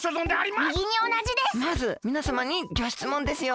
まずみなさまにギョしつもんですよ。